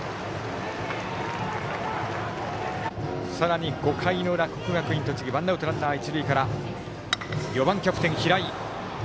さらに、５回の裏、国学院栃木ワンアウトランナー、一塁から４番、キャプテンの平井。